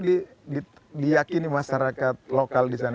diakini masyarakat lokal di sana